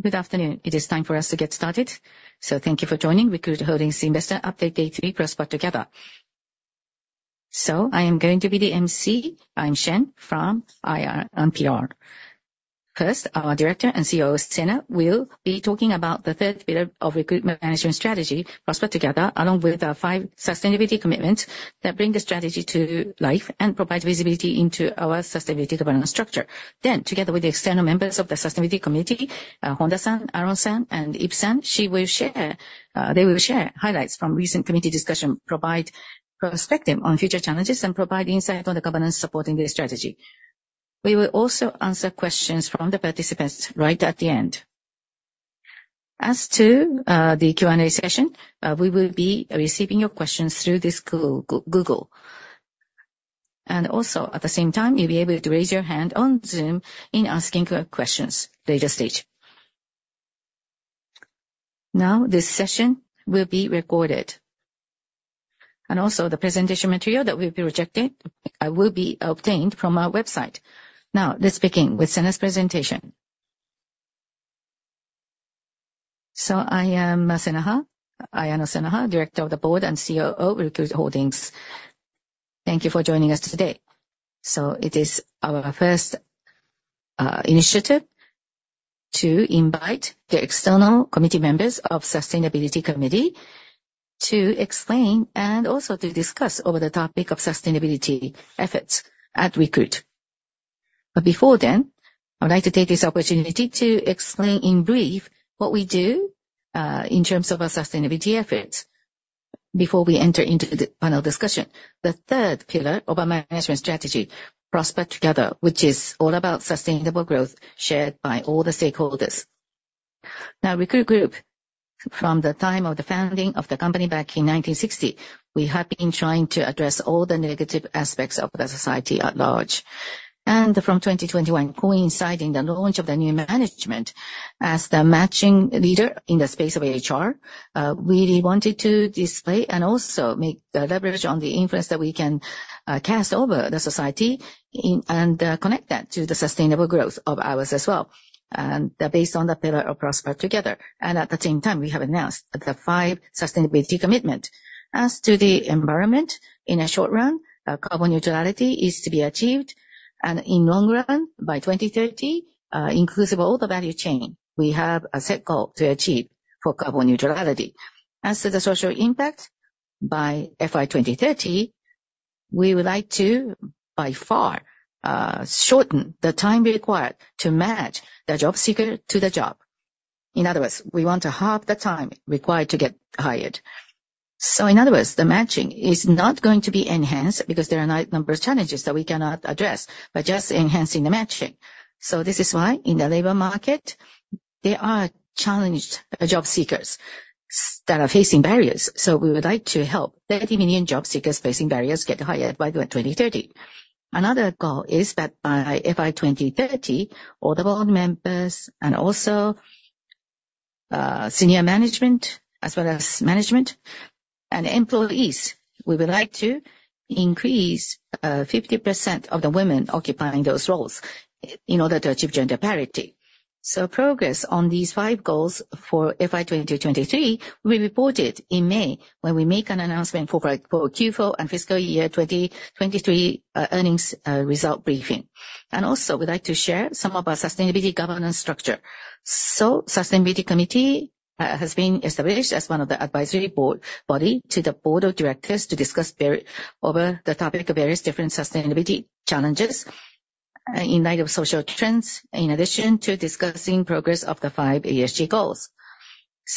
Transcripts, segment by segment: Good afternoon. It is time for us to get started, so thank you for joining Recruit Holdings Mizuho Securities Update Day three, Prosper Together. I am going to be the emcee, Ayano Senaha, from IR and PR. First, our Director and CEO, Hisayuki Idekoba, will be talking about the third pillar of Recruit Management Strategy, Prosper Together, along with the five sustainability commitments that bring the strategy to life and provide visibility into our sustainability governance structure. Then, together with the external members of the Sustainability committee, Honda-san, Aaron-san, and Yves-san, they will share highlights from recent committee discussions, provide perspective on future challenges, and provide insight on the governance supporting this strategy. We will also answer questions from the participants right at the end. As to the Q&A session, we will be receiving your questions through this Google Forms. At the same time, you'll be able to raise your hand on Zoom in asking questions later stage. Now, this session will be recorded. And also, the presentation material that will be rejected will be obtained from our website. Now, let's begin with Senaha's presentation. So I am Senaha, Ayano Senaha, Director of the Board and CEO of Recruit Holdings. Thank you for joining us today. So it is our first initiative to invite the external committee members of the sustainability committee to explain and also to discuss over the topic of sustainability efforts at Recruit. But before then, I would like to take this opportunity to explain in brief what we do in terms of our sustainability efforts before we enter into the panel discussion, the third pillar of our management strategy, Prosper Together, which is all about sustainable growth shared by all the stakeholders. Recruit Holdings, from the time of the founding of the company back in 1960, we have been trying to address all the negative aspects of the society at large. From 2021, coinciding the launch of the new management as the matching leader in the space of HR, we wanted to display and also make leverage on the influence that we can cast over the society and connect that to the sustainable growth of ours as well, based on the pillar of Prosper Together. At the same time, we have announced the five sustainability commitments. As to the environment, in a short run, carbon neutrality is to be achieved. In long run, by 2030, inclusive of all the value chain, we have a set goal to achieve for carbon neutrality. As to the social impact by FY 2030, we would like to, by far, shorten the time required to match the job seeker to the job. In other words, we want to halve the time required to get hired. So in other words, the matching is not going to be enhanced because there are numerous challenges that we cannot address by just enhancing the matching. So this is why, in the labor market, there are challenged job seekers that are facing barriers. So we would like to help 30 million job seekers facing barriers get hired by 2030. Another goal is that by FY 2030, all the board members and also senior management, as well as management and employees, we would like to increase 50% of the women occupying those roles in order to achieve gender parity. Progress on these five goals for FY 2023 will be reported in May when we make an announcement for Q4 and fiscal year 2023 earnings result briefing. We'd like to share some of our sustainability governance structure. The sustainability committee has been established as one of the advisory bodies to the Board of Directors to discuss over the topic of various different sustainability challenges in light of social trends, in addition to discussing progress of the five ESG goals.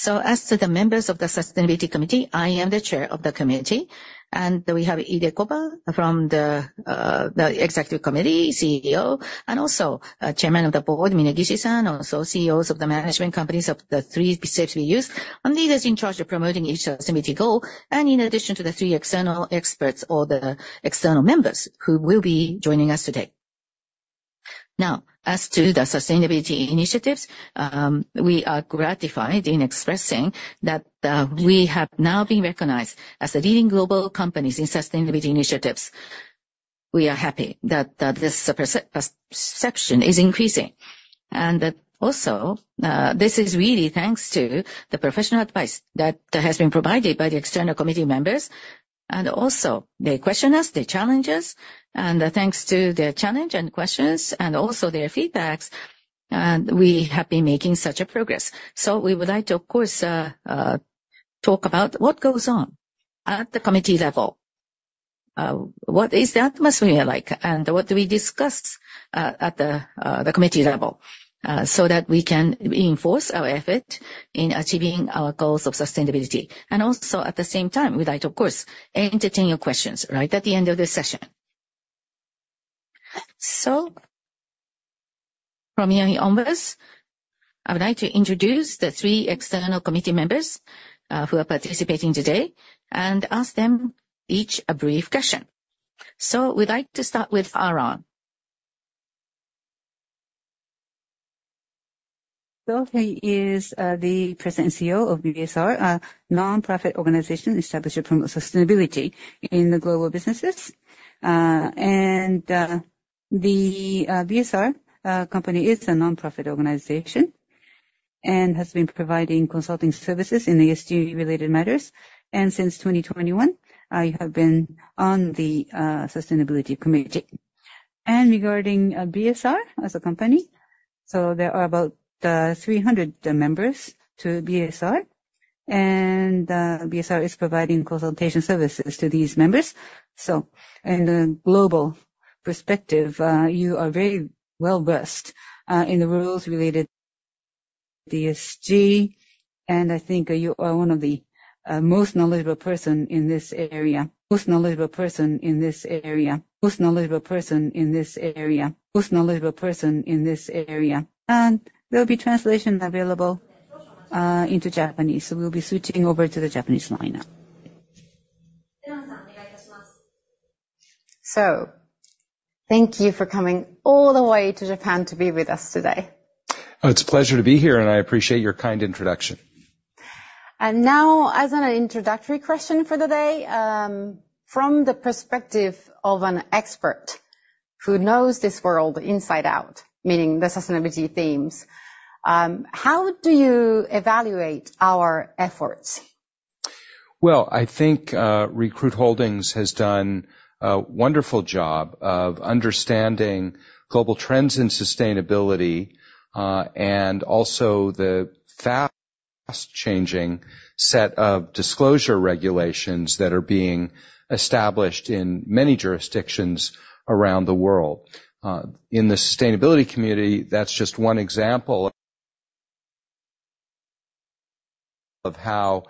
As to the members of the sustainability committee, I am the chair of the committee. We have Hisayuki Idekoba from the executive committee, CEO, and also chairman of the board, Minegishi-san, also CEOs of the management companies of the three shapes we use, and leaders in charge of promoting each sustainability goal, and in addition to the three external experts or the external members who will be joining us today. Now, as to the sustainability initiatives, we are gratified in expressing that we have now been recognized as the leading global companies in sustainability initiatives. We are happy that this perception is increasing. And also, this is really thanks to the professional advice that has been provided by the external committee members. And also, they question us, they challenge us. And thanks to their challenge and questions and also their feedbacks, we have been making such progress. We would like to, of course, talk about what goes on at the committee level, what is the atmosphere like, and what do we discuss at the committee level so that we can reinforce our effort in achieving our goals of sustainability. And also, at the same time, we'd like, of course, to entertain your questions, right, at the end of this session. So from here onwards, I would like to introduce the three external committee members who are participating today and ask them each a brief question. So we'd like to start with Aaron. He is the President CEO of BSR, a nonprofit organization established from sustainability in the global businesses. The BSR company is a nonprofit organization and has been providing consulting services in ESG-related matters. Since 2021, you have been on the sustainability committee. Regarding BSR as a company, there are about 300 members to BSR. BSR is providing consultation services to these members. In the global perspective, you are very well-versed in the roles related to ESG. I think you are one of the most knowledgeable persons in this area. There will be translation available into Japanese. We'll be switching over to the Japanese line now. Thank you for coming all the way to Japan to be with us today. It's a pleasure to be here, and I appreciate your kind introduction. And now, as an introductory question for the day, from the perspective of an expert who knows this world inside out, meaning the sustainability themes, how do you evaluate our efforts? I think Recruit Holdings has done a wonderful job of understanding global trends in sustainability and also the fast-changing set of disclosure regulations that are being established in many jurisdictions around the world. In the sustainability community, that's just one example of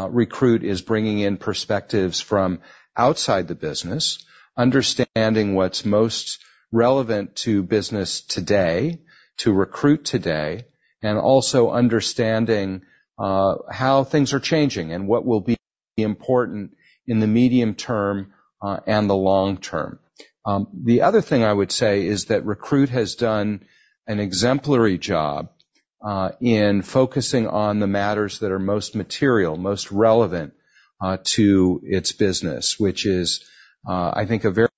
how Recruit is bringing in perspectives from outside the business, understanding what's most relevant to business today, to Recruit today, and also understanding how things are changing and what will be important in the medium term and the long term. The other thing I would say is that Recruit has done an exemplary job in focusing on the matters that are most material, most relevant to its business, which is, I think, a very.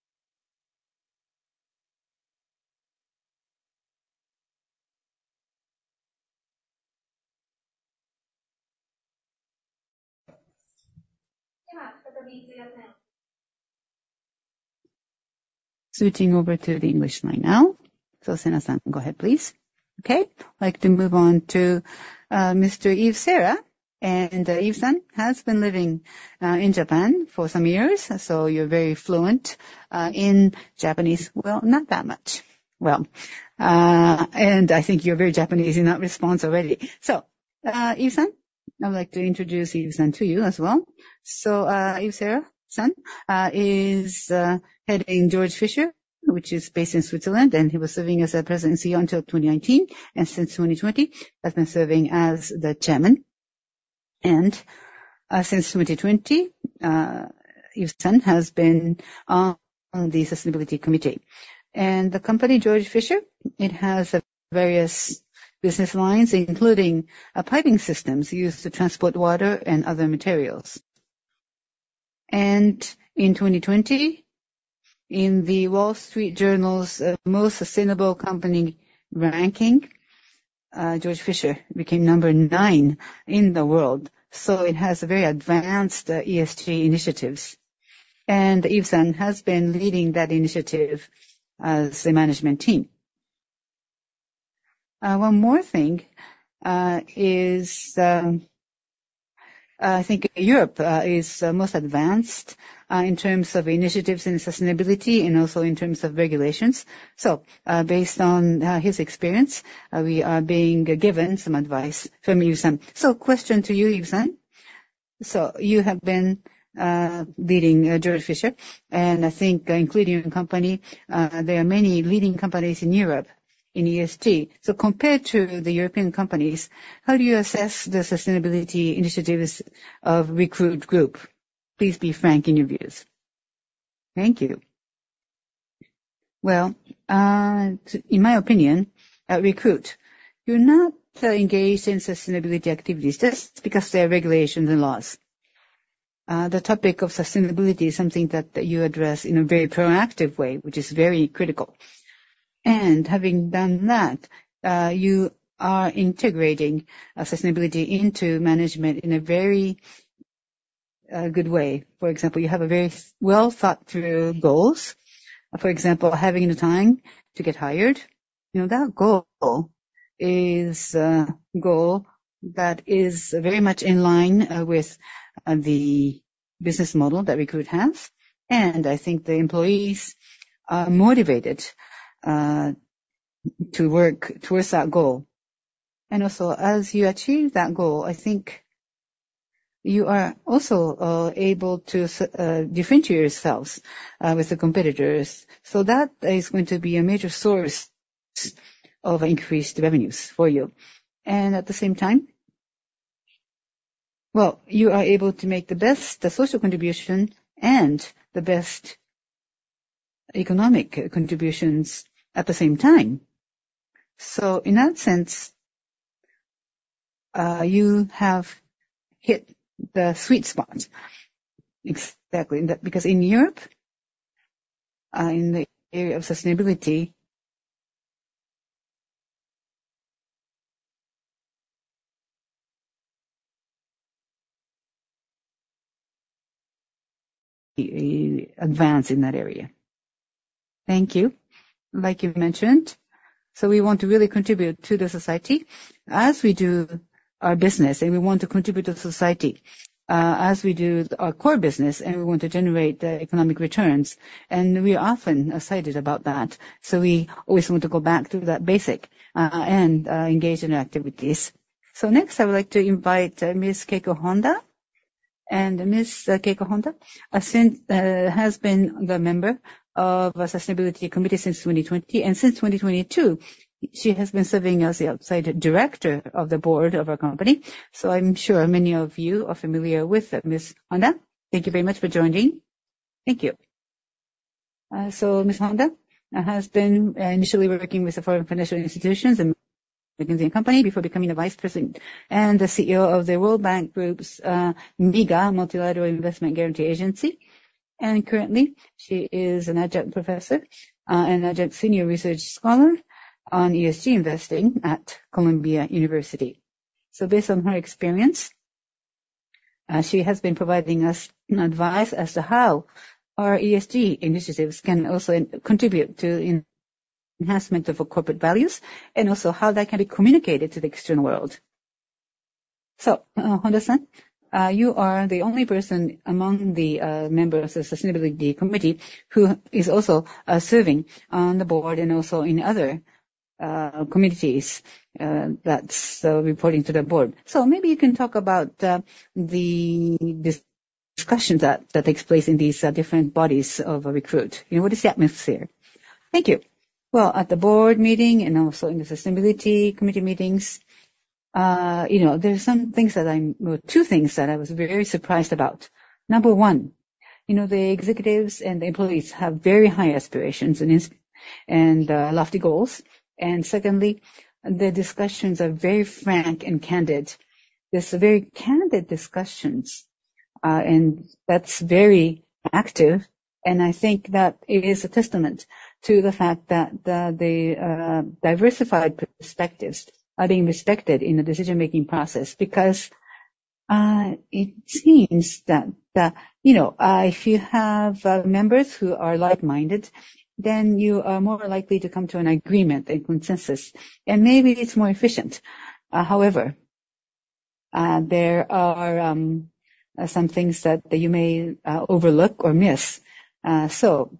Switching over to the English line now. So Senaha-san, go ahead, please. I'd like to move on to Mr. Yves Serra. And Yves-san has been living in Japan for some years, so you're very fluent in Japanese. Well, not that much. Well, and I think you're very Japanese in that response already. So Yves-san, I would like to introduce Yves-san to you as well. So Yves Serra-san is heading Georg Fischer, which is based in Switzerland. And he was serving as the president CEO until 2019. And since 2020, he has been serving as the chairman. And since 2020, Yves-san has been on the sustainability committee. And the company Georg Fischer, it has various business lines, including piping systems used to transport water and other materials. In 2020, in the Wall Street Journal's most sustainable company ranking, Georg Fischer became number nine in the world. So it has very advanced ESG initiatives. And Yves Serra has been leading that initiative as the management team. One more thing is, I think Europe is most advanced in terms of initiatives in sustainability and also in terms of regulations. So based on his experience, we are being given some advice from Yves Serra. So question to you, Yves Serra. So you have been leading Georg Fischer. And I think, including your company, there are many leading companies in Europe in ESG. So compared to the European companies, how do you assess the sustainability initiatives of Recruit Holdings? Please be frank in your views. Thank you. Well, in my opinion, at Recruit, you're not engaged in sustainability activities just because there are regulations and laws. The topic of sustainability is something that you address in a very proactive way, which is very critical. Having done that, you are integrating sustainability into management in a very good way. For example, you have very well-thought-through goals. For example, having the time to get hired, that goal is a goal that is very much in line with the business model that Recruit has. I think the employees are motivated to work towards that goal. Also, as you achieve that goal, I think you are also able to differentiate yourselves with the competitors. That is going to be a major source of increased revenues for you. At the same time, well, you are able to make the best social contribution and the best economic contributions at the same time. In that sense, you have hit the sweet spot. Exactly. Europe, in the area of sustainability, you advance in that area. Thank you. Like you mentioned, so we want to really contribute to the society as we do our business. We want to contribute to society as we do our core business. We want to generate the economic returns. We are often excited about that. We always want to go back to that basic and engage in our activities. Next, I would like to invite Ms. Keiko Honda. Ms. Keiko Honda has been the member of the sustainability committee since 2020. Since 2022, she has been serving as the outside director of the board of our company. I'm sure many of you are familiar with Ms. Honda. Thank you very much for joining. Thank you. So Ms. Honda has been initially working with the foreign financial institutions and McKinsey and Company before becoming the vice president and the CEO of the World Bank Group's MIGA, Multilateral Investment Guarantee Agency. Currently, she is an adjunct professor and adjunct senior research scholar on ESG investing at Columbia University. Based on her experience, she has been providing us advice as to how our ESG initiatives can also contribute to the enhancement of our corporate values and also how that can be communicated to the external world. So Honda-san, you are the only person among the members of the sustainability committee who is also serving on the board and also in other committees that are reporting to the board. Maybe you can talk about the discussion that takes place in these different bodies of Recruit. What is the atmosphere? Thank you. Well, at the board meeting and also in the sustainability committee meetings, there are some things that I wrote two things that I was very surprised about. Number one, the executives and the employees have very high aspirations and lofty goals. And secondly, the discussions are very frank and candid. There's very candid discussions. And that's very active. And I think that it is a testament to the fact that the diversified perspectives are being respected in the decision-making process because it seems that if you have members who are like-minded, then you are more likely to come to an agreement and consensus. And maybe it's more efficient. However, there are some things that you may overlook or miss. So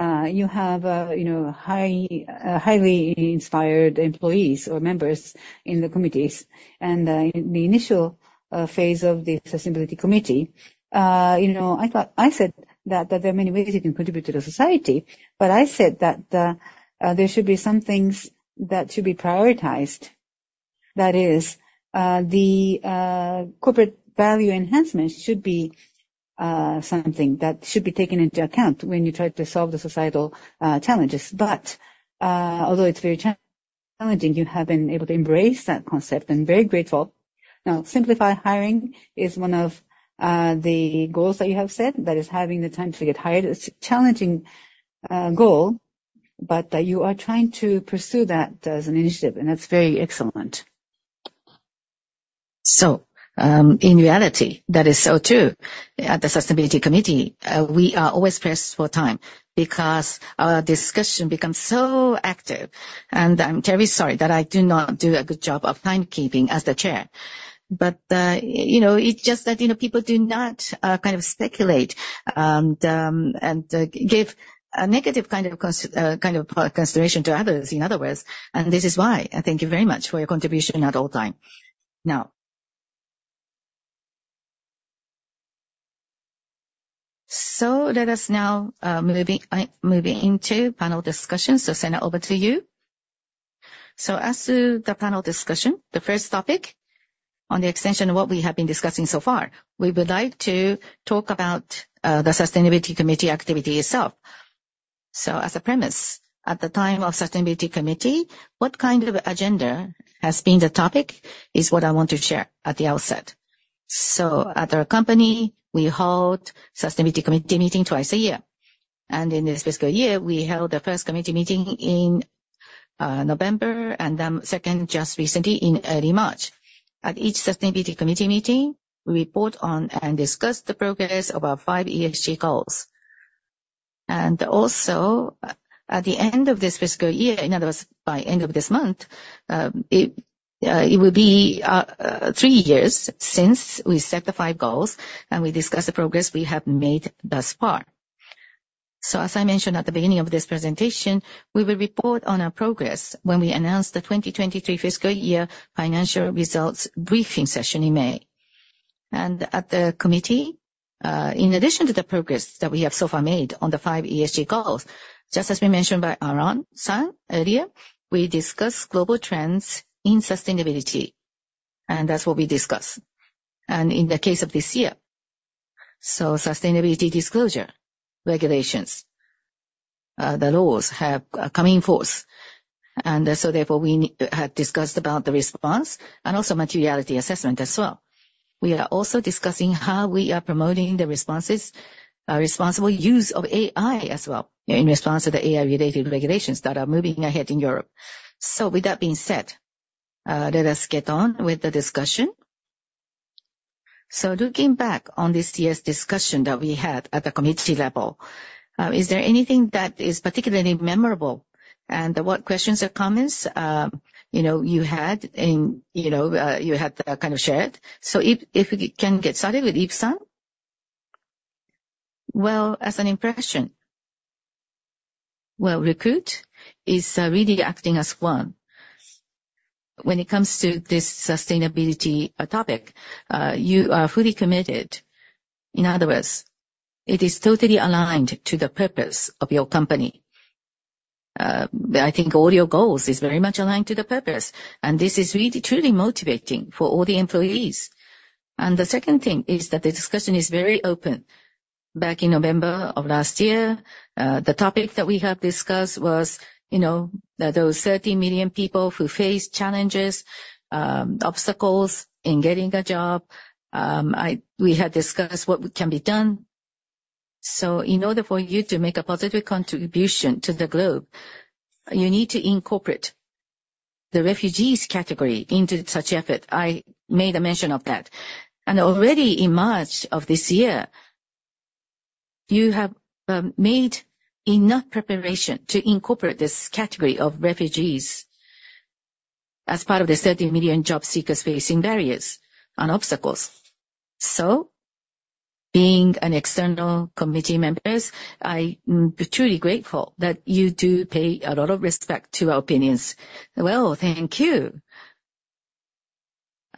you have highly inspired employees or members in the committees. In the initial phase of the Sustainability Committee, I said that there are many ways you can contribute to the society. But I said that there should be some things that should be prioritized. That is, the corporate value enhancement should be something that should be taken into account when you try to solve the societal challenges. But although it's very challenging, you have been able to embrace that concept and very grateful. Now, Simplify Hiring is one of the goals that you have set that is halving the time to get hired. It's a challenging goal, but you are trying to pursue that as an initiative. That's very excellent. In reality, that is so too. At the Sustainability Committee, we are always pressed for time because our discussion becomes so active. I'm terribly sorry that I do not do a good job of timekeeping as the chair. It's just that people do not kind of speculate and give a negative kind of consideration to others, in other words. This is why. Thank you very much for your contribution at all times. Now, let us now move into panel discussion. So Senaha, over to you. So as to the panel discussion, the first topic on the extension of what we have been discussing so far, we would like to talk about the Sustainability Committee activity itself. So as a premise, at the time of Sustainability Committee, what kind of agenda has been the topic is what I want to share at the outset. At our company, we hold sustainability committee meeting twice a year. In this fiscal year, we held the first committee meeting in November and then second just recently in early March. At each sustainability committee meeting, we report on and discuss the progress of our 5 ESG goals. At the end of this fiscal year, in other words, by end of this month, it will be 3 years since we set the 5 goals and we discuss the progress we have made thus far. As I mentioned at the beginning of this presentation, we will report on our progress when we announce the 2023 fiscal year financial results briefing session in May. At the committee, in addition to the progress that we have so far made on the five ESG goals, just as has been mentioned by Aaron Cramer earlier, we discuss global trends in sustainability. And that's what we discuss. And in the case of this year, so sustainability disclosure regulations, the laws have come into force. And so therefore, we have discussed about the response and also materiality assessment as well. We are also discussing how we are promoting the responsible use of AI as well in response to the AI-related regulations that are moving ahead in Europe. So with that being said, let us get on with the discussion. So looking back on this year's discussion that we had at the committee level, is there anything that is particularly memorable and what questions or comments you had and you had kind of shared? If we can get started with Yves Serra. Well, as an impression, well, Recruit is really acting as one. When it comes to this sustainability topic, you are fully committed. In other words, it is totally aligned to the purpose of your company. I think all your goals are very much aligned to the purpose. And this is really truly motivating for all the employees. And the second thing is that the discussion is very open. Back in November of last year, the topic that we have discussed was those 30 million people who face challenges, obstacles in getting a job. We had discussed what can be done. So in order for you to make a positive contribution to the globe, you need to incorporate the refugees category into such effort. I made a mention of that. Already in March of this year, you have made enough preparation to incorporate this category of refugees as part of the 30 million job seekers facing barriers and obstacles. So being an external committee member, I'm truly grateful that you do pay a lot of respect to our opinions. Well, thank you.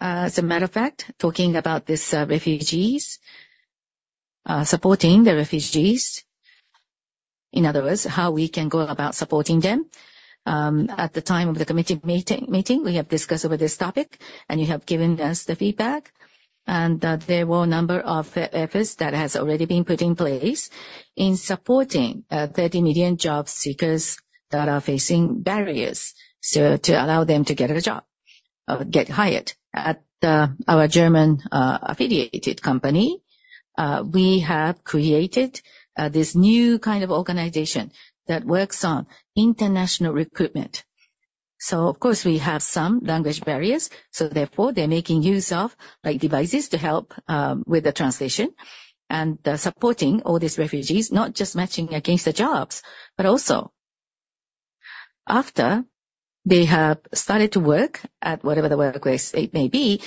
As a matter of fact, talking about these refugees, supporting the refugees, in other words, how we can go about supporting them. At the time of the committee meeting, we have discussed over this topic. And you have given us the feedback. And there were a number of efforts that have already been put in place in supporting 30 million job seekers that are facing barriers to allow them to get a job, get hired. At our German affiliated company, we have created this new kind of organization that works on international recruitment. Of course, we have some language barriers. Therefore, they're making use of devices to help with the translation and supporting all these refugees, not just matching against the jobs, but also after they have started to work at whatever the workplace it may be,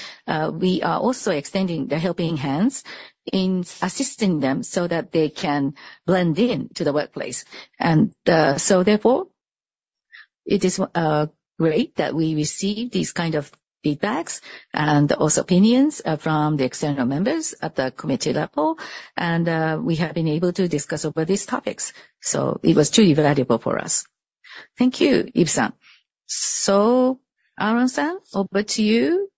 we are also extending the helping hands in assisting them so that they can blend in to the workplace. Therefore, it is great that we receive these kind of feedbacks and also opinions from the external members at the committee level. And we have been able to discuss over these topics. So it was truly valuable for us. Thank you, Yves-san. Aaron-san, over to you.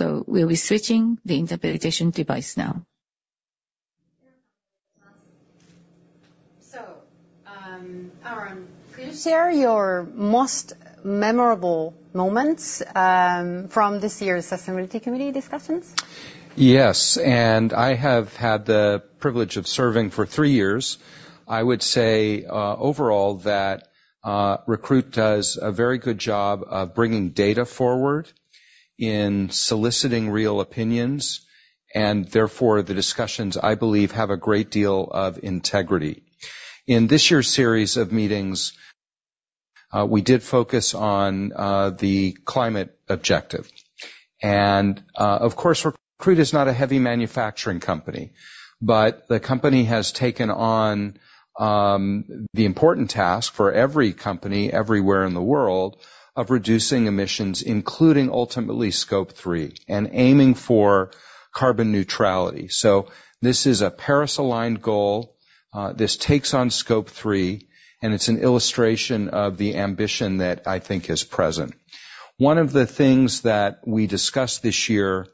We'll be switching the interpretation device now. Aaron, could you share your most memorable moments from this year's sustainability committee discussions? I have had the privilege of serving for three years. I would say overall that Recruit does a very good job of bringing data forward in soliciting real opinions. Therefore, the discussions, I believe, have a great deal of integrity. In this year's series of meetings, we did focus on the climate objective. Of course, Recruit is not a heavy manufacturing company. But the company has taken on the important task for every company everywhere in the world of reducing emissions, including ultimately Scope three, and aiming for carbon neutrality. This is a Paris-aligned goal. This takes on Scope three. It's an illustration of the ambition that I think is present. One of the things that we discussed this year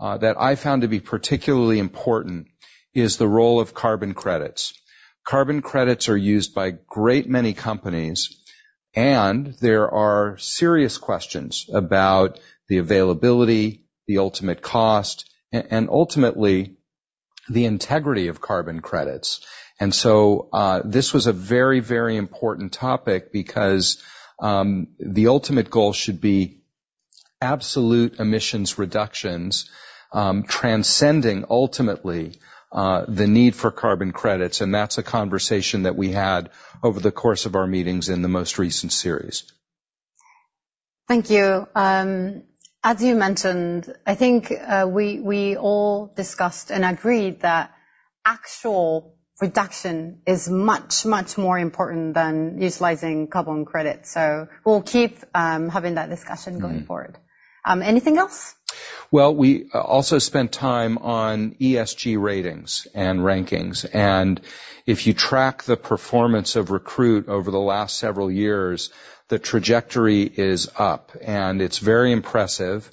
that I found to be particularly important is the role of carbon credits. Carbon credits are used by great many companies. There are serious questions about the availability, the ultimate cost, and ultimately the integrity of carbon credits. So this was a very, very important topic because the ultimate goal should be absolute emissions reductions transcending ultimately the need for carbon credits. That's a conversation that we had over the course of our meetings in the most recent series. Thank you. As you mentioned, I think we all discussed and agreed that actual reduction is much, much more important than utilizing carbon credits. So we'll keep having that discussion going forward. Anything else? Well, we also spent time on ESG ratings and rankings. If you track the performance of Recruit over the last several years, the trajectory is up. And it's very impressive.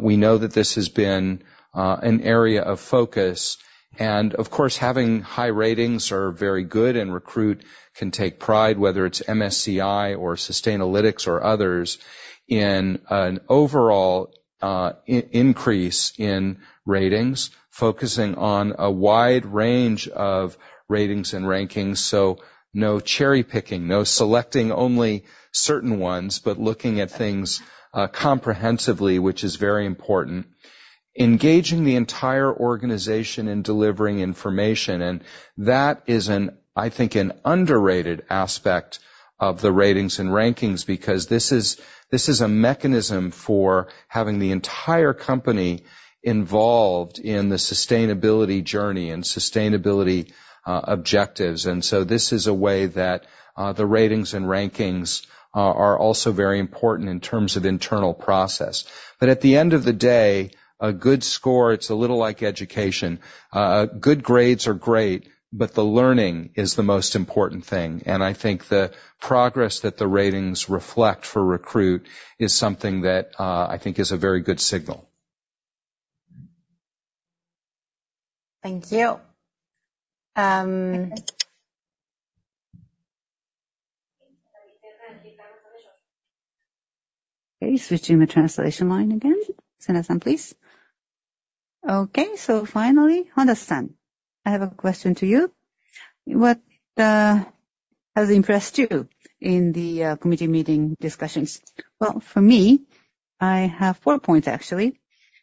We know that this has been an area of focus. Of course, having high ratings are very good. Recruit can take pride, whether it's MSCI or Sustainalytics or others, in an overall increase in ratings, focusing on a wide range of ratings and rankings. So no cherry-picking, no selecting only certain ones, but looking at things comprehensively, which is very important, engaging the entire organization in delivering information. That is, I think, an underrated aspect of the ratings and rankings because this is a mechanism for having the entire company involved in the sustainability journey and sustainability objectives. This is a way that the ratings and rankings are also very important in terms of internal process. But at the end of the day, a good score, it's a little like education. Good grades are great, but the learning is the most important thing. I think the progress that the ratings reflect for Recruit is something that I think is a very good signal. Thank you. Okay. Switching the translation line again. Senaha-san, please. Okay. So finally, Honda-san, I have a question to you. What has impressed you in the committee meeting discussions? Well, for me, I have four points, actually,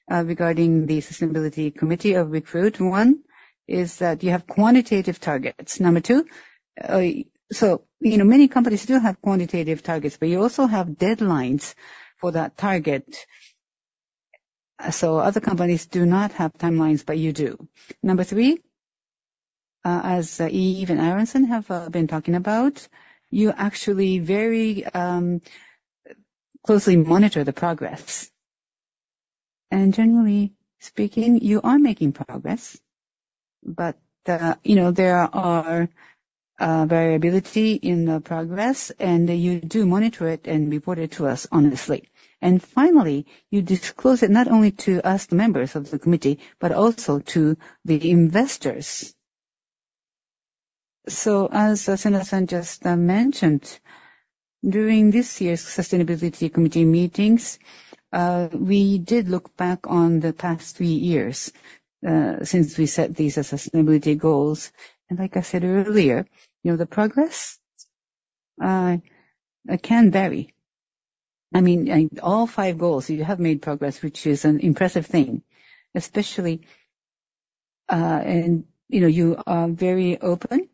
regarding the sustainability committee of Recruit. One is that you have quantitative targets. Number two, so many companies do have quantitative targets, but you also have deadlines for that target. So other companies do not have timelines, but you do. Number three, as Yves and Aaron have been talking about, you actually very closely monitor the progress. And generally speaking, you are making progress. But there are variability in the progress. And you do monitor it and report it to us honestly. And finally, you disclose it not only to us, the members of the committee, but also to the investors. So as Ayano Senaha-san just mentioned, during this year's sustainability committee meetings, we did look back on the past three years since we set these sustainability goals. And like I said earlier, the progress can vary. I mean, all five goals, you have made progress, which is an impressive thing, especially in you are very open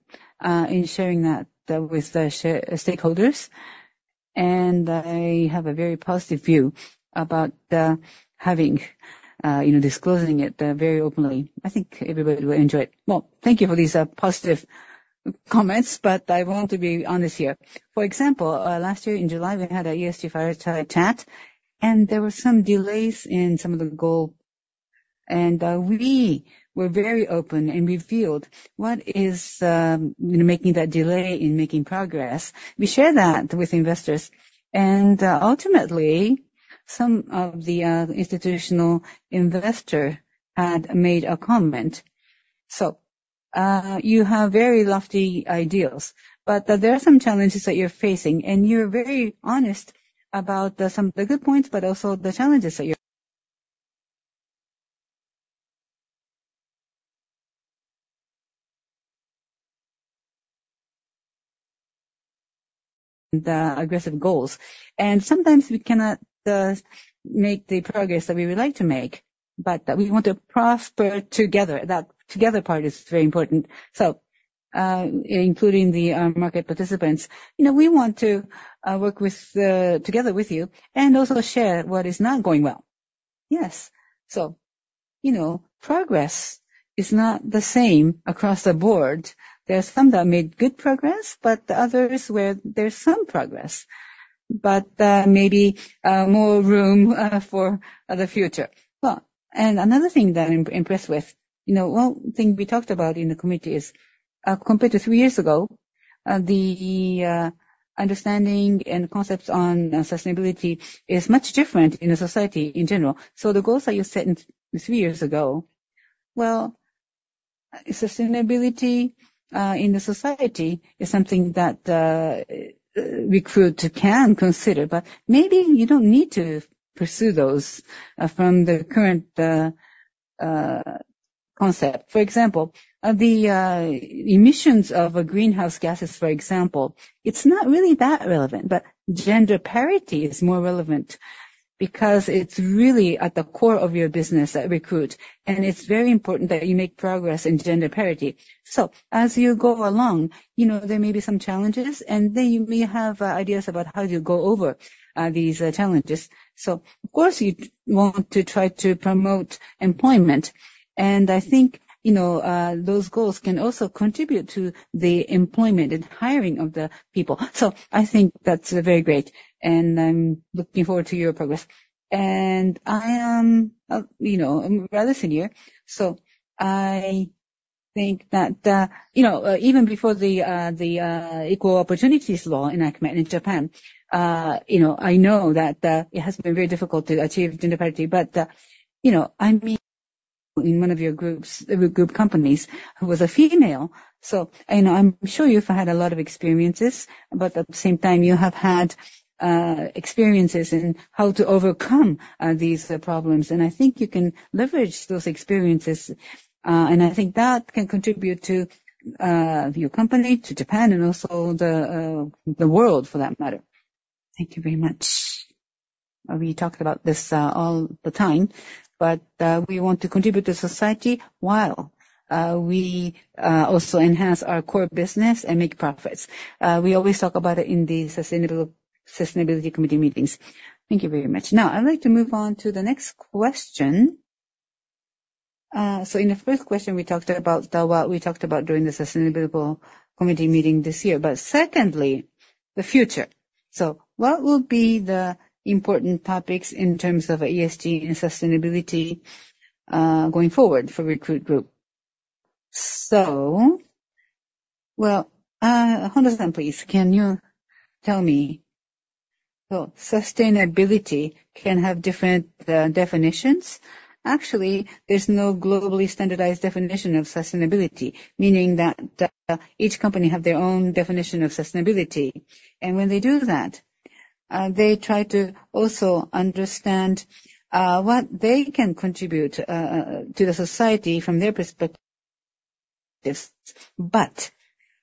in sharing that with the stakeholders. And I have a very positive view about having disclosing it very openly. I think everybody will enjoy it. Well, thank you for these positive comments. But I want to be honest here. For example, last year in July, we had an ESG fireside chat. And there were some delays in some of the goals. And we were very open and revealed what is making that delay in making progress. We share that with investors. And ultimately, some of the institutional investors had made a comment. You have very lofty ideals. But there are some challenges that you're facing. You're very honest about some of the good points, but also the challenges that you're facing. The aggressive goals. Sometimes we cannot make the progress that we would like to make. But we want to prosper together. That together part is very important. So including the market participants, we want to work together with you and also share what is not going well. Yes. So progress is not the same across the board. There are some that made good progress, but others where there's some progress, but maybe more room for the future. Well, another thing that I'm impressed with, one thing we talked about in the committee is compared to three years ago, the understanding and concepts on sustainability is much different in a society in general. The goals that you set three years ago, well, sustainability in the society is something that Recruit can consider. But maybe you don't need to pursue those from the current concept. For example, the emissions of greenhouse gases, for example, it's not really that relevant. But gender parity is more relevant because it's really at the core of your business at Recruit. And it's very important that you make progress in gender parity. So as you go along, there may be some challenges. And then you may have ideas about how do you go over these challenges. So of course, you want to try to promote employment. And I think those goals can also contribute to the employment and hiring of the people. So I think that's very great. And I'm looking forward to your progress. And I am rather senior. I think that even before the Equal Opportunities Law enactment in Japan, I know that it has been very difficult to achieve gender parity. But I met in one of your group companies who was a female. So I'm sure you've had a lot of experiences. But at the same time, you have had experiences in how to overcome these problems. And I think you can leverage those experiences. And I think that can contribute to your company, to Japan, and also the world for that matter. Thank you very much. We talked about this all the time. But we want to contribute to society while we also enhance our core business and make profits. We always talk about it in the Sustainability Committee meetings. Thank you very much. Now, I'd like to move on to the next question. In the first question, we talked about what we talked about during the sustainability committee meeting this year. But secondly, the future. So what will be the important topics in terms of ESG and sustainability going forward for Recruit Holdings? So, well, Honda-san, please, can you tell me? So sustainability can have different definitions. Actually, there's no globally standardized definition of sustainability, meaning that each company has their own definition of sustainability. And when they do that, they try to also understand what they can contribute to the society from their perspectives. But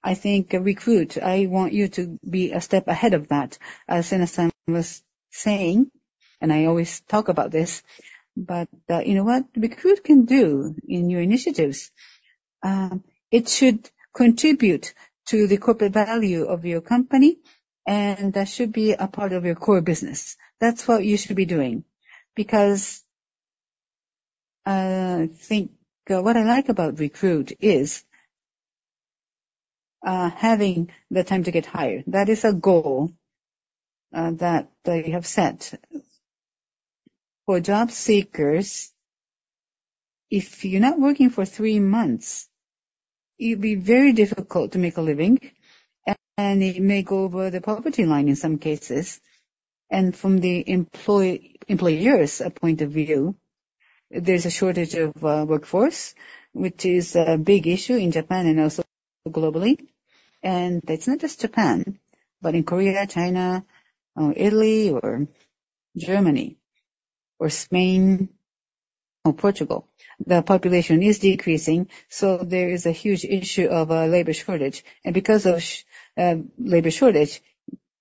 I think Recruit, I want you to be a step ahead of that. As Senaha-san was saying, and I always talk about this, but you know what? Recruit can do in your initiatives. It should contribute to the corporate value of your company. And that should be a part of your core business. That's what you should be doing. Because I think what I like about Recruit is having the time to get hired. That is a goal that you have set. For job seekers, if you're not working for three months, it'd be very difficult to make a living. It may go over the poverty line in some cases. From the employers' point of view, there's a shortage of workforce, which is a big issue in Japan and also globally. It's not just Japan, but in Korea, China, Italy, or Germany, or Spain, or Portugal, the population is decreasing. There is a huge issue of a labor shortage. Because of labor shortage,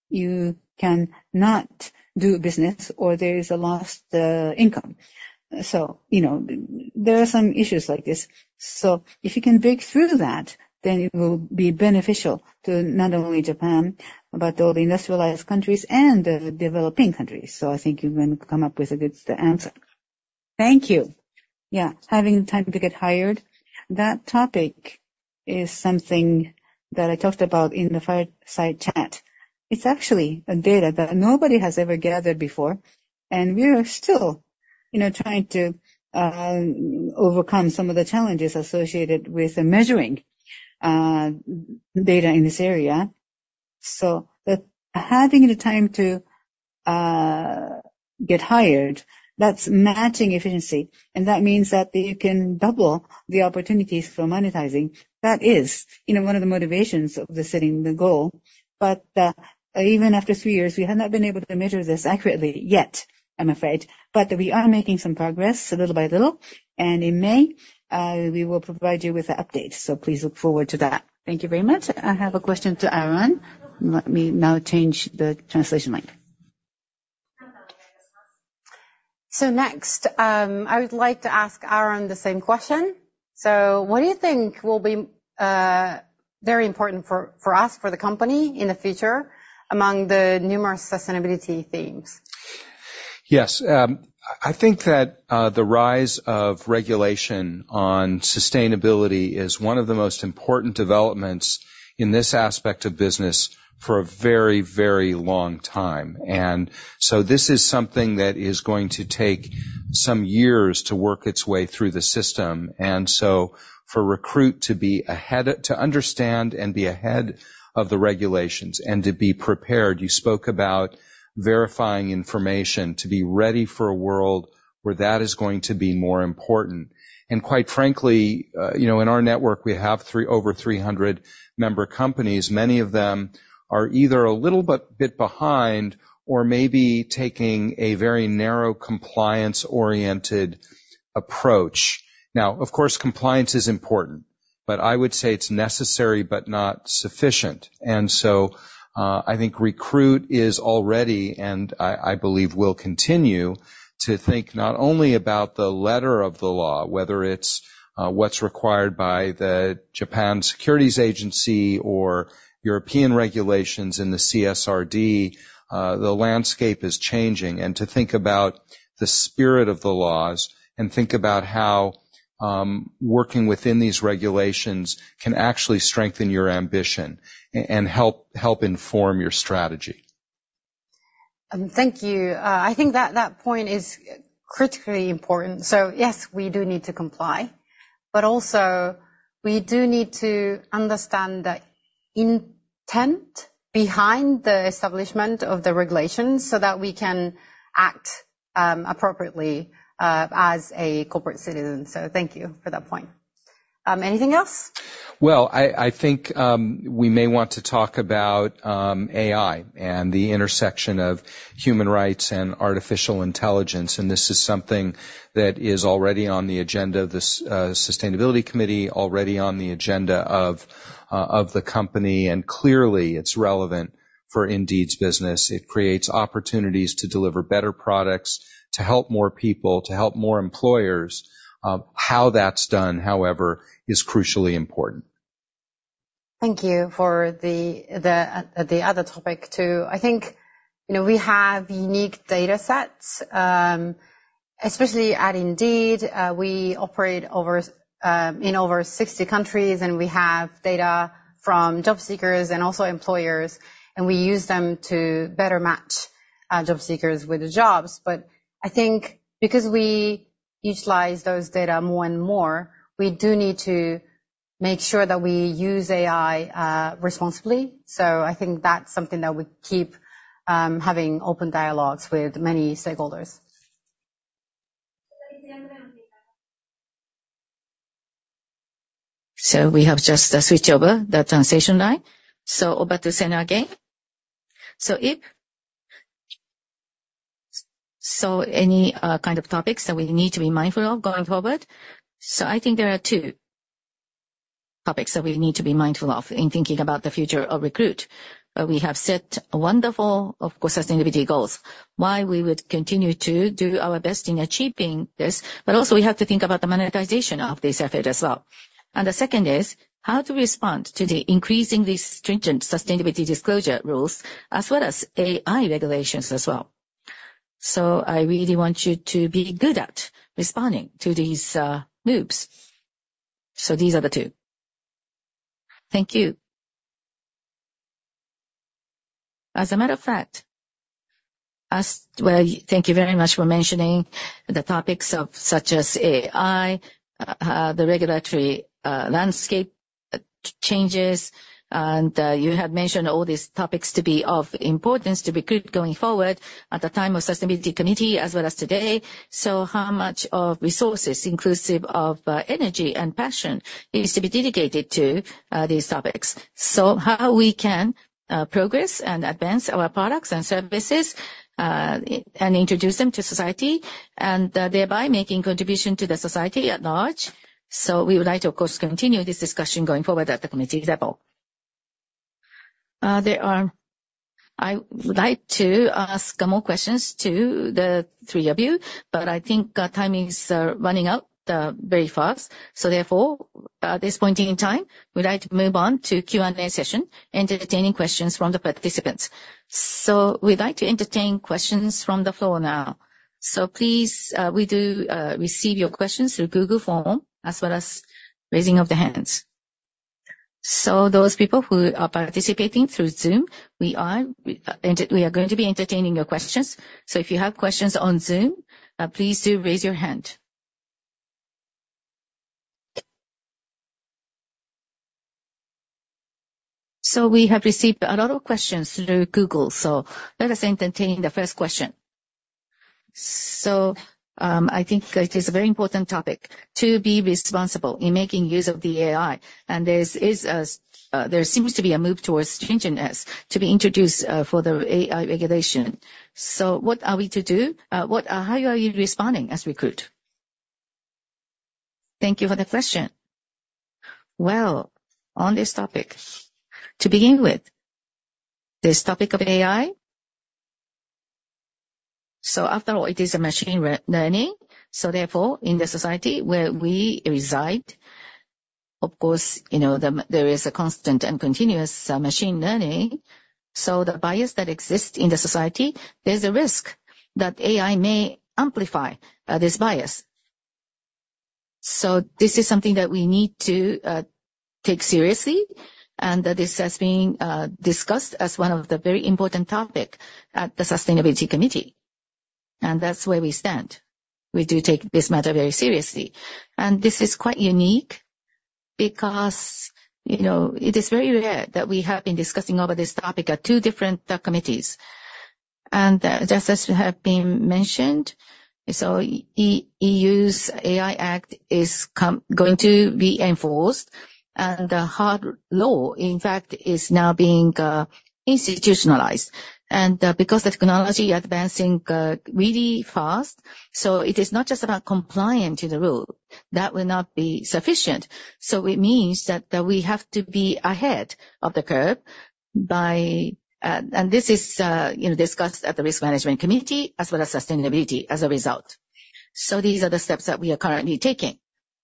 you cannot do business or there is a lost income. There are some issues like this. If you can break through that, then it will be beneficial to not only Japan, but all the industrialized countries and the developing countries. So I think you're going to come up with a good answer. Thank you. Yeah. Having time to get hired. That topic is something that I talked about in the fireside chat. It's actually data that nobody has ever gathered before. And we are still trying to overcome some of the challenges associated with measuring data in this area. So having the time to get hired, that's matching efficiency. And that means that you can double the opportunities for monetizing. That is one of the motivations of setting the goal. But even after three years, we have not been able to measure this accurately yet, I'm afraid. But we are making some progress little by little. In May, we will provide you with an update. Please look forward to that. Thank you very much. I have a question to Aaron. Let me now change the translation line. Next, I would like to ask Aaron the same question. What do you think will be very important for us, for the company in the future, among the numerous sustainability themes? I think that the rise of regulation on sustainability is one of the most important developments in this aspect of business for a very, very long time. And so this is something that is going to take some years to work its way through the system. And so for Recruit to be ahead to understand and be ahead of the regulations and to be prepared, you spoke about verifying information to be ready for a world where that is going to be more important. And quite frankly, in our network, we have over 300 member companies. Many of them are either a little bit behind or maybe taking a very narrow compliance-oriented approach. Now, of course, compliance is important. But I would say it's necessary but not sufficient. I think Recruit is already and I believe will continue to think not only about the letter of the law, whether it's what's required by the Japan Securities Agency or European regulations in the CSRD, the landscape is changing. And to think about the spirit of the laws and think about how working within these regulations can actually strengthen your ambition and help inform your strategy. Thank you. I think that point is critically important. So yes, we do need to comply. But also, we do need to understand the intent behind the establishment of the regulations so that we can act appropriately as a corporate citizen. So thank you for that point. Anything else? I think we may want to talk about AI and the intersection of human rights and artificial intelligence. This is something that is already on the agenda of the Sustainability Committee, already on the agenda of the company. Clearly, it's relevant for Indeed's business. It creates opportunities to deliver better products, to help more people, to help more employers. How that's done, however, is crucially important. Thank you for the other topic too. I think we have unique data sets, especially at Indeed. We operate in over 60 countries. And we have data from job seekers and also employers. And we use them to better match job seekers with the jobs. But I think because we utilize those data more and more, we do need to make sure that we use AI responsibly. So I think that's something that we keep having open dialogues with many stakeholders. We have just switched over the translation line. Back to Senaha again. Any kind of topics that we need to be mindful of going forward? I think there are two topics that we need to be mindful of in thinking about the future of Recruit. We have set wonderful, of course, sustainability goals, why we would continue to do our best in achieving this. But also, we have to think about the monetization of this effort as well. And the second is how to respond to the increasingly stringent sustainability disclosure rules as well as AI regulations as well. I really want you to be good at responding to these moves. These are the two. Thank you. As a matter of fact, thank you very much for mentioning the topics such as AI, the regulatory landscape changes. You have mentioned all these topics to be of importance to Recruit going forward at the time of sustainability committee as well as today. So how much of resources, inclusive of energy and passion, needs to be dedicated to these topics? So how we can progress and advance our products and services and introduce them to society and thereby making contribution to the society at large. So we would like to, of course, continue this discussion going forward at the committee level. I would like to ask more questions to the three of you. But I think time is running out very fast. So therefore, at this point in time, we'd like to move on to Q&A session, entertaining questions from the participants. So we'd like to entertain questions from the floor now. Please, we do receive your questions through Google Form as well as raising of the hands. Those people who are participating through Zoom, we are going to be entertaining your questions. If you have questions on Zoom, please do raise your hand. We have received a lot of questions through Google. Let us entertain the first question. I think it is a very important topic to be responsible in making use of the AI. There seems to be a move towards stringentness to be introduced for the AI regulation. What are we to do? How are you responding as Recruit? Thank you for the question. Well, on this topic, to begin with, this topic of AI, so after all, it is machine learning. So therefore, in the society where we reside, of course, there is a constant and continuous machine learning. The bias that exists in the society, there's a risk that AI may amplify this bias. So this is something that we need to take seriously. And this has been discussed as one of the very important topics at the Sustainability Committee. And that's where we stand. We do take this matter very seriously. And this is quite unique because it is very rare that we have been discussing over this topic at two different committees. And just as has been mentioned, so the EU's AI Act is going to be enforced. And the hard law, in fact, is now being institutionalized. And because the technology is advancing really fast, so it is not just about compliance to the rule. That will not be sufficient. So it means that we have to be ahead of the curve. This is discussed at the Risk Management Committee as well as sustainability as a result. So these are the steps that we are currently taking.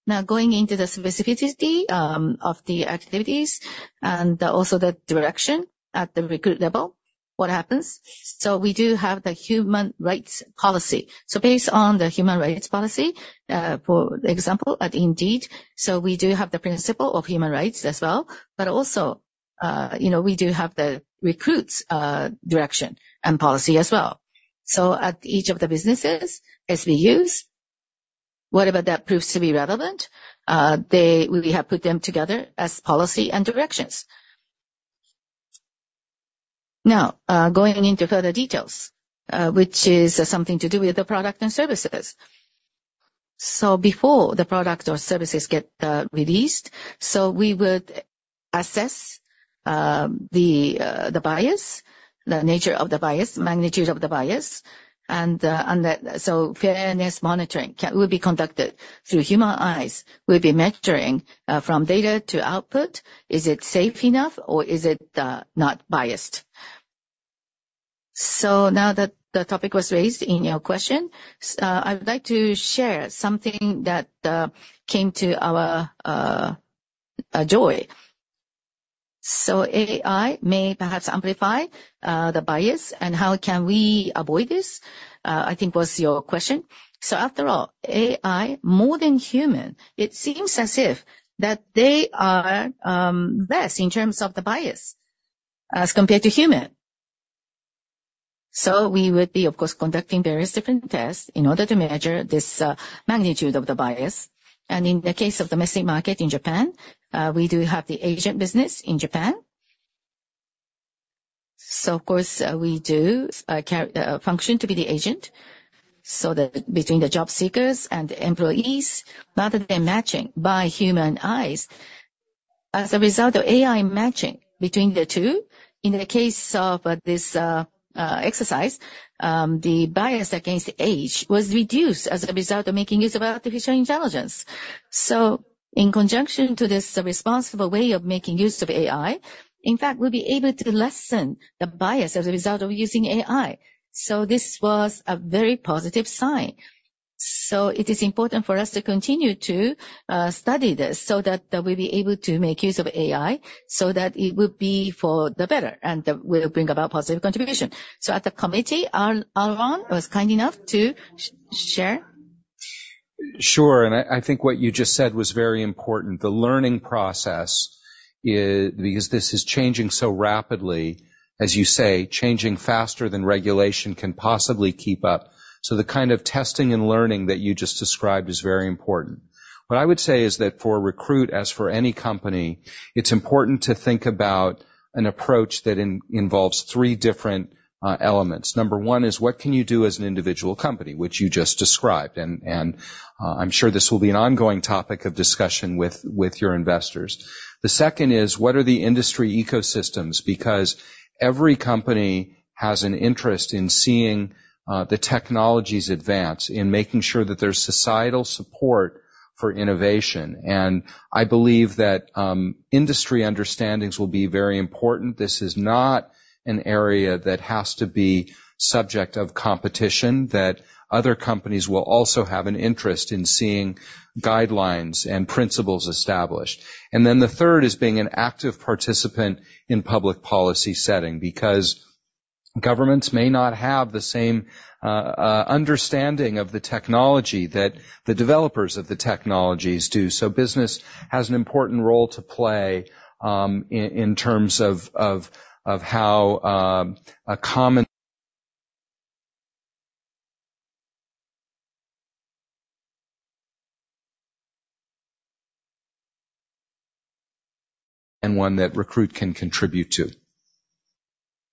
Now, going into the specificity of the activities and also the direction at the Recruit level, what happens? So we do have the human rights policy. So based on the human rights policy, for example, at Indeed, so we do have the principle of human rights as well. But also, we do have the Recruit's direction and policy as well. So at each of the businesses, SVUs, whatever that proves to be relevant, we have put them together as policy and directions. Now, going into further details, which is something to do with the product and services. So before the product or services get released, so we would assess the bias, the nature of the bias, magnitude of the bias. Fairness monitoring will be conducted through human eyes. We'll be measuring from data to output. Is it safe enough or is it not biased? Now that the topic was raised in your question, I would like to share something that came to our joy. AI may perhaps amplify the bias. And how can we avoid this? I think was your question. After all, AI, more than human, it seems as if that they are less in terms of the bias as compared to human. We would be, of course, conducting various different tests in order to measure this magnitude of the bias. In the case of domestic market in Japan, we do have the agent business in Japan. Of course, we do function to be the agent between the job seekers and the employees, rather than matching by human eyes. As a result of AI matching between the two, in the case of this exercise, the bias against age was reduced as a result of making use of artificial intelligence. So in conjunction to this responsible way of making use of AI, in fact, we'll be able to lessen the bias as a result of using AI. So this was a very positive sign. So it is important for us to continue to study this so that we'll be able to make use of AI so that it will be for the better and will bring about positive contribution. So at the committee, Aaron was kind enough to share. Sure. I think what you just said was very important. The learning process, because this is changing so rapidly, as you say, changing faster than regulation can possibly keep up. So the kind of testing and learning that you just described is very important. What I would say is that for Recruit, as for any company, it's important to think about an approach that involves three different elements. Number one is what can you do as an individual company, which you just described. I'm sure this will be an ongoing topic of discussion with your investors. The second is what are the industry ecosystems? Because every company has an interest in seeing the technologies advance, in making sure that there's societal support for innovation. I believe that industry understandings will be very important. This is not an area that has to be subject of competition, that other companies will also have an interest in seeing guidelines and principles established. And then the third is being an active participant in public policy setting because governments may not have the same understanding of the technology that the developers of the technologies do. So business has an important role to play in terms of how a common and one that Recruit can contribute to.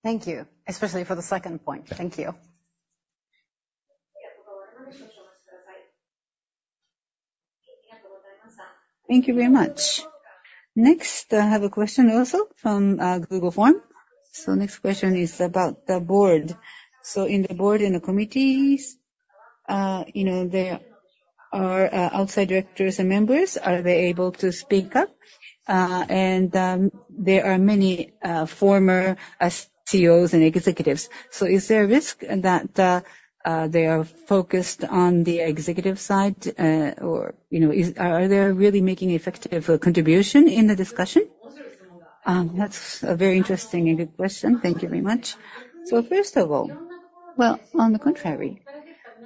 Thank you, especially for the second point. Thank you. Thank you very much. Next, I have a question also from Google Forms. So next question is about the board. So in the board, in the committees, there are outside directors and members. Are they able to speak up? And there are many former CEOs and executives. So is there a risk that they are focused on the executive side? Or are they really making an effective contribution in the discussion? That's a very interesting and good question. Thank you very much. So first of all, well, on the contrary,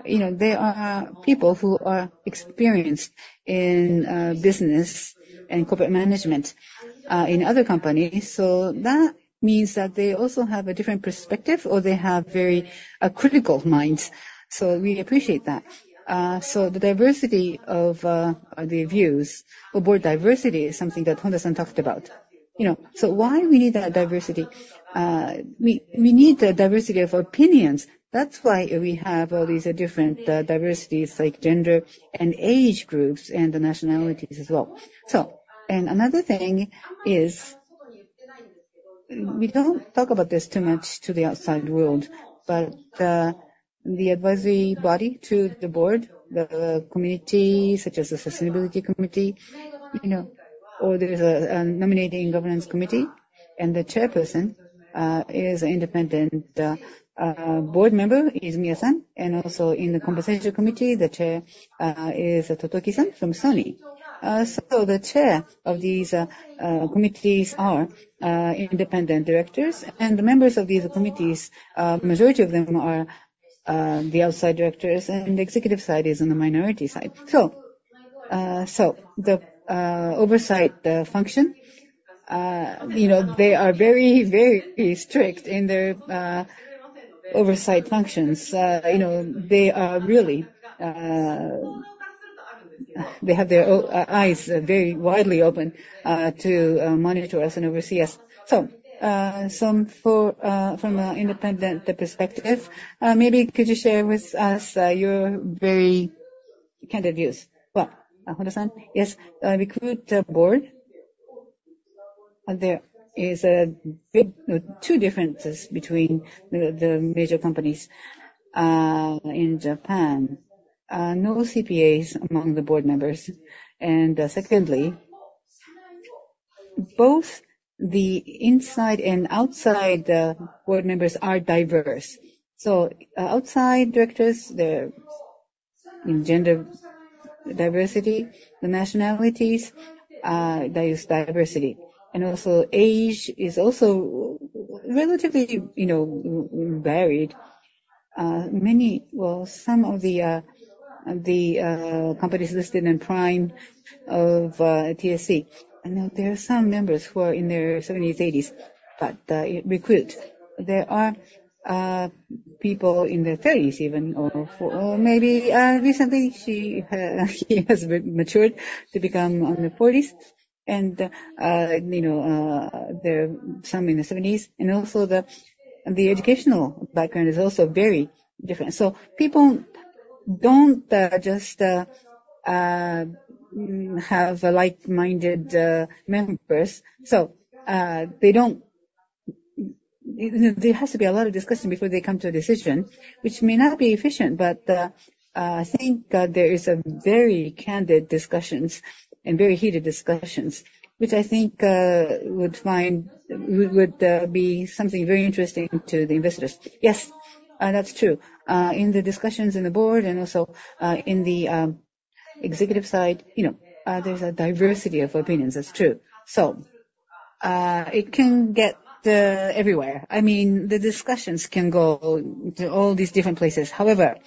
there are people who are experienced in business and corporate management in other companies. So that means that they also have a different perspective or they have very critical minds. So we appreciate that. So the diversity of the views, board diversity, is something that Honda-san talked about. So why we need that diversity? We need the diversity of opinions. That's why we have all these different diversities like gender and age groups and the nationalities as well. Another thing is we don't talk about this too much to the outside world. But the advisory body to the board, the committee such as the Sustainability Committee, or there's a Nominating Governance Committee. And the chairperson is an independent board member, is Naoki Izumiya. Also in the Compensation Committee, the chair is Totoki-san from Sony. So the chair of these committees are independent directors. The members of these committees, the majority of them are the outside directors. And the executive side is on the minority side. So the oversight function, they are very, very strict in their oversight functions. They are really they have their eyes very widely open to monitor us and oversee us. From an independent perspective, maybe could you share with us your very candid views? Well, Honda-san, yes. Recruit board, there is two differences between the major companies in Japan. No CPAs among the board members. And secondly, both the inside and outside board members are diverse. So outside directors, they're in gender diversity, the nationalities, diversity. And also age is also relatively varied. Well, some of the companies listed in Prime of TSE. I know there are some members who are in their 70s, 80s, but Recruit. There are people in their 30s even. Or maybe recently, he has matured to become in the 40s. And there are some in the 70s. And also the educational background is also very different. So people don't just have like-minded members. So there has to be a lot of discussion before they come to a decision, which may not be efficient. I think there are very candid discussions and very heated discussions, which I think would be something very interesting to the investors. Yes, that's true. In the discussions in the board and also in the executive side, there's a diversity of opinions. That's true. So it can get everywhere. I mean, the discussions can go to all these different places. However,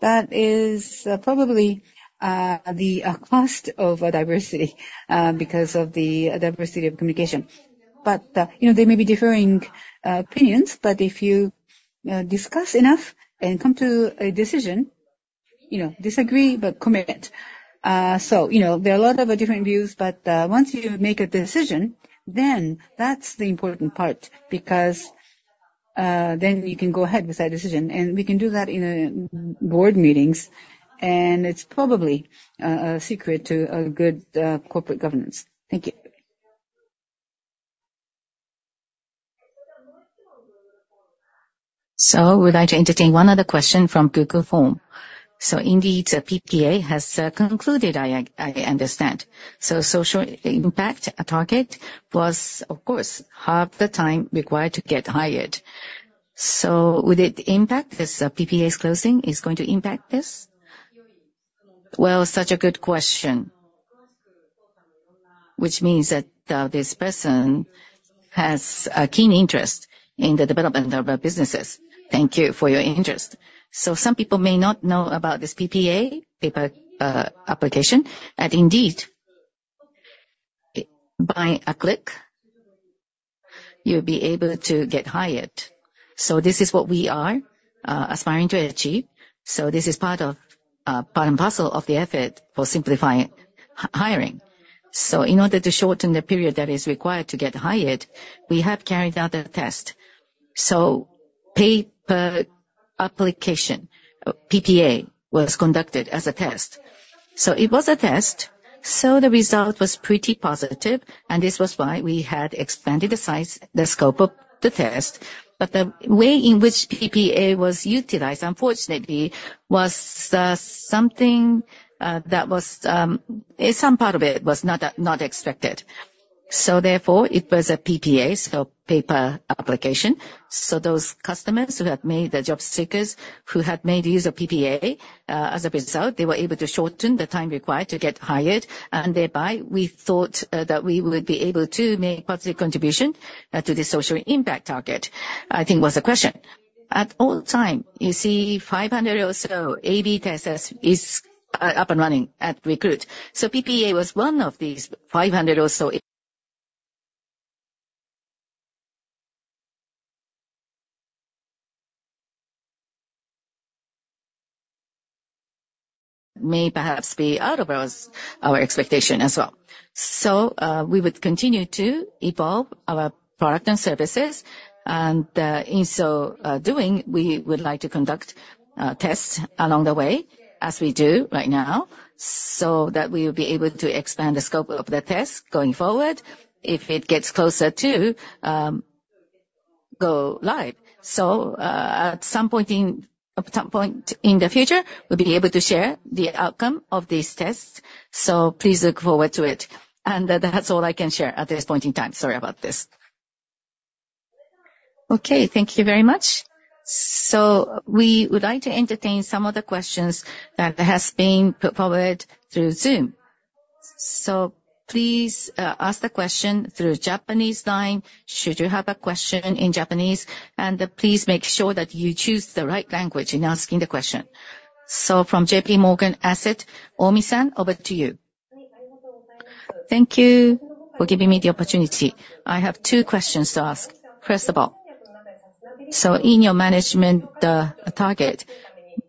that is probably the cost of diversity because of the diversity of communication. But they may be differing opinions. But if you discuss enough and come to a decision, disagree but commit. So there are a lot of different views. But once you make a decision, then that's the important part because then you can go ahead with that decision. And we can do that in board meetings. And it's probably a secret to good corporate governance. Thank you. Would I like to entertain one other question from Google Forms? Indeed, PPA has concluded, I understand. So social impact target was, of course, half the time required to get hired. So would it impact this PPA's closing? Is it going to impact this? Well, such a good question, which means that this person has a keen interest in the development of businesses. Thank you for your interest. So some people may not know about this PPA, Pay Per Application. At Indeed, by a click, you'll be able to get hired. So this is what we are aspiring to achieve. So this is part and parcel of the effort for simplifying hiring. So in order to shorten the period that is required to get hired, we have carried out a test. So Pay Per Application, PPA, was conducted as a test. So it was a test. The result was pretty positive. And this was why we had expanded the scope of the test. But the way in which PPA was utilized, unfortunately, was something that was some part of it was not expected. So therefore, it was a PPA, so per application. So those customers who had made the job seekers who had made use of PPA as a result, they were able to shorten the time required to get hired. And thereby, we thought that we would be able to make positive contribution to the social impact target, I think, was the question. At all time, you see 500 or so A/B tests is up and running at Recruit. So PPA was one of these 500 or so may perhaps be out of our expectation as well. So we would continue to evolve our product and services. In so doing, we would like to conduct tests along the way as we do right now so that we will be able to expand the scope of the tests going forward if it gets closer to go live. So at some point in the future, we'll be able to share the outcome of these tests. So please look forward to it. And that's all I can share at this point in time. Sorry about this. Okay. Thank you very much. So we would like to entertain some of the questions that have been put forward through Zoom. So please ask the question through Japanese line. Should you have a question in Japanese? And please make sure that you choose the right language in asking the question. So from J.P. Morgan Asset, Omisan, over to you. Thank you for giving me the opportunity. I have two questions to ask. First of all, so in your management target,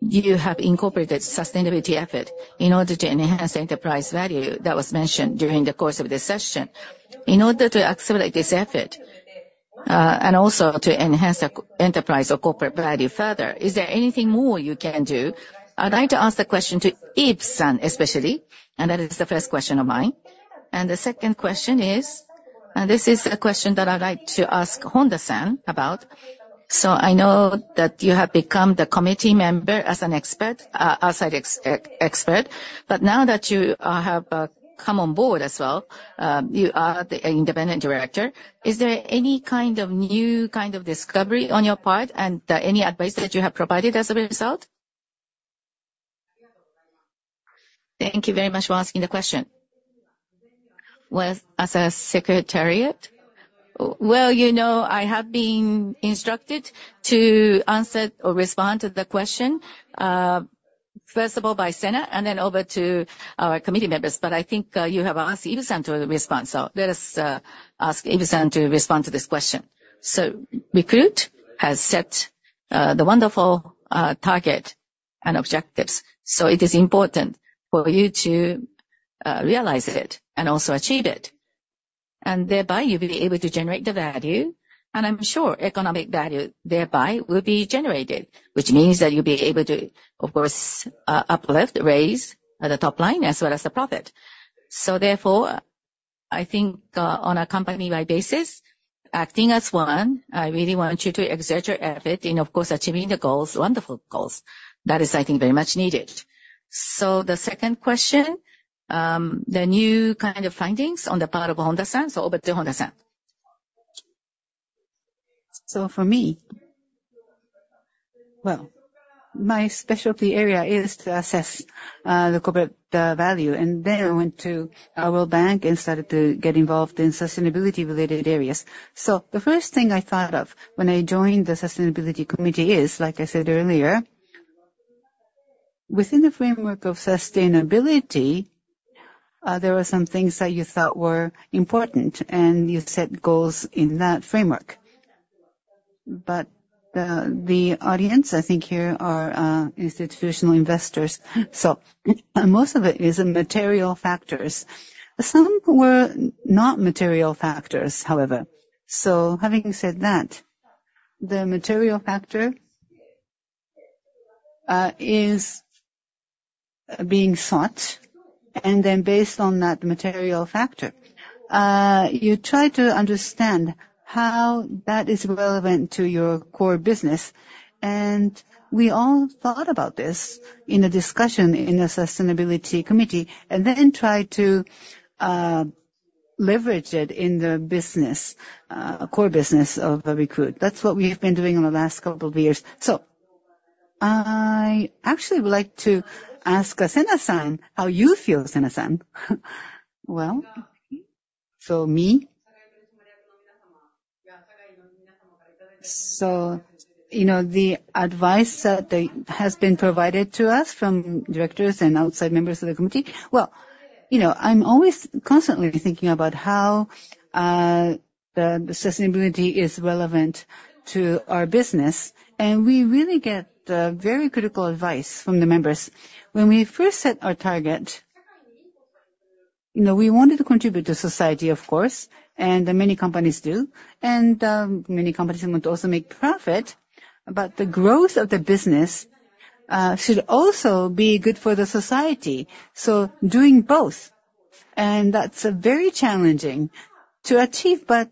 you have incorporated sustainability effort in order to enhance enterprise value that was mentioned during the course of this session. In order to accelerate this effort and also to enhance enterprise or corporate value further, is there anything more you can do? I'd like to ask the question to Idekoba-san, especially. And that is the first question of mine. And the second question is, and this is a question that I'd like to ask Honda-san about. So I know that you have become the committee member as an outside expert. But now that you have come on board as well, you are the independent director, is there any kind of new kind of discovery on your part and any advice that you have provided as a result? Thank you very much for asking the question. Well, as a secretariat, well, I have been instructed to answer or respond to the question, first of all, by Senaha and then over to our committee members. But I think you have asked Idekoba-san to respond. So let us ask Idekoba-san to respond to this question. So Recruit has set the wonderful target and objectives. So it is important for you to realize it and also achieve it. And thereby, you'll be able to generate the value. And I'm sure economic value thereby will be generated, which means that you'll be able to, of course, uplift, raise the top line as well as the profit. So therefore, I think on a company-wide basis, acting as one, I really want you to exert your effort in, of course, achieving the goals, wonderful goals. That is, I think, very much needed. The second question, the new kind of findings on the part of Honda-san, so over to Honda-san. For me, well, my specialty area is to assess the corporate value. And then I went to our World Bank and started to get involved in sustainability-related areas. So the first thing I thought of when I joined the Sustainability Committee is, like I said earlier, within the framework of sustainability, there were some things that you thought were important. And you set goals in that framework. But the audience, I think, here are institutional investors. So most of it is material factors. Some were not material factors, however. So having said that, the material factor is being sought. And then based on that material factor, you try to understand how that is relevant to your core business. And we all thought about this in a discussion in the Sustainability Committee and then tried to leverage it in the core business of Recruit. That's what we have been doing in the last couple of years. So I actually would like to ask Senaha-san how you feel, Senaha-san. Well, for me, so the advice that has been provided to us from directors and outside members of the committee, well, I'm always constantly thinking about how the sustainability is relevant to our business. And we really get very critical advice from the members. When we first set our target, we wanted to contribute to society, of course. And many companies do. And many companies want to also make profit. But the growth of the business should also be good for the society. So doing both. And that's very challenging to achieve. But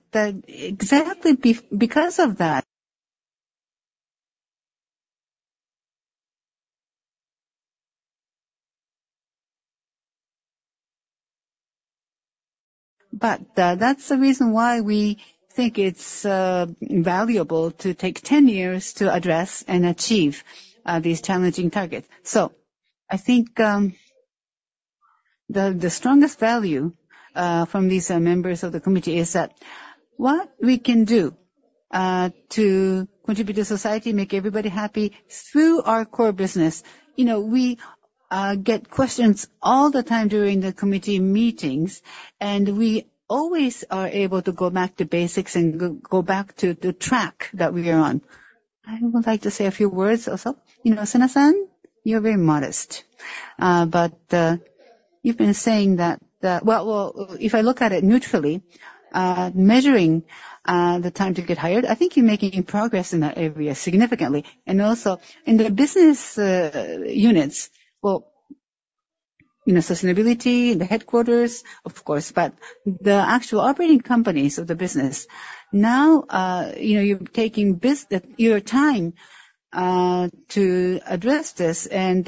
exactly because of that. But that's the reason why we think it's valuable to take 10 years to address and achieve these challenging targets. I think the strongest value from these members of the committee is that what we can do to contribute to society, make everybody happy through our core business, we get questions all the time during the committee meetings. And we always are able to go back to basics and go back to the track that we are on. I would like to say a few words also. Senaha-san, you're very modest. But you've been saying that well, if I look at it neutrally, measuring the time to get hired, I think you're making progress in that area significantly. And also in the business units, well, sustainability in the headquarters, of course, but the actual operating companies of the business, now you're taking your time to address this. And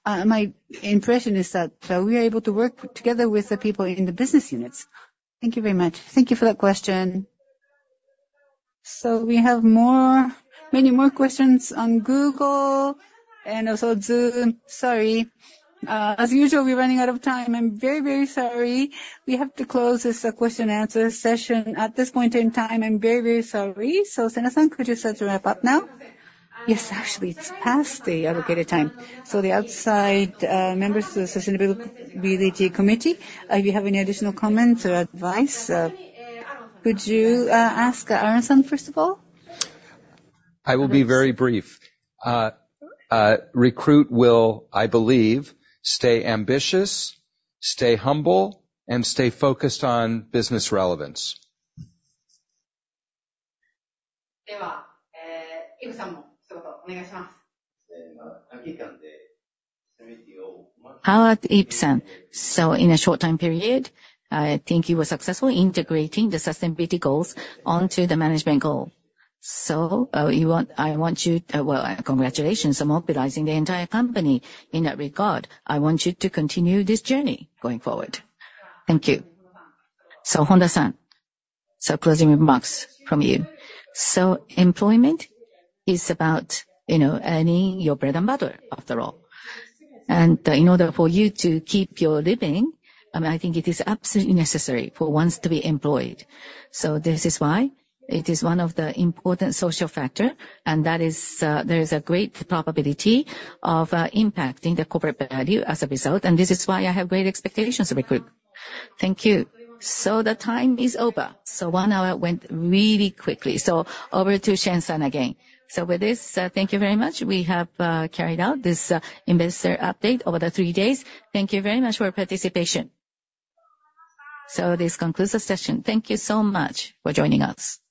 my impression is that we are able to work together with the people in the business units. Thank you very much. Thank you for that question. So we have many more questions on Google and also Zoom. Sorry. As usual, we're running out of time. I'm very, very sorry. We have to close this question-and-answer session at this point in time. I'm very, very sorry. So Senaha-san, could you start to wrap up now? Yes. Actually, it's past the allocated time. So the outside members of the sustainability committee, if you have any additional comments or advice, could you ask Aaron-san, first of all? I will be very brief. Recruit will, I believe, stay ambitious, stay humble, and stay focused on business relevance. How about Ide-san? So in a short time period, I think you were successful integrating the sustainability goals onto the management goal. So I want you well, congratulations on mobilizing the entire company in that regard. I want you to continue this journey going forward. Thank you. So Honda-san, so closing remarks from you. So employment is about earning your bread and butter, after all. And in order for you to keep your living, I mean, I think it is absolutely necessary for ones to be employed. So this is why it is one of the important social factors. And there is a great probability of impacting the corporate value as a result. And this is why I have great expectations of Recruit. Thank you. So the time is over. So one hour went really quickly. So over to Senaha-san again. So with this, thank you very much. We have carried out this investor update over the three days. Thank you very much for participation. This concludes the session. Thank you so much for joining us.